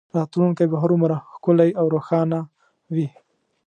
راتلونکی به هرومرو ښکلی او روښانه وي